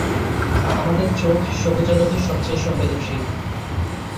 আমাদের চোখ সবুজ আলোতে সবচেয়ে সংবেদনশীল।